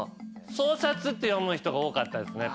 「そうさつ」って読む人が多かったですね。